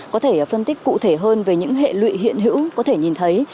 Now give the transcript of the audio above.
có thể phân tích cụ thể hơn về những hệ lụy hiện hữu có thể nhìn thấy